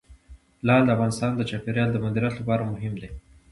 لعل د افغانستان د چاپیریال د مدیریت لپاره مهم دي.